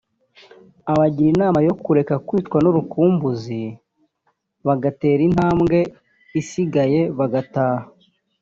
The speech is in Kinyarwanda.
abagira inama yo kureka kwicwa n’urukumbuzi bagatera intambwe isigaye bagataha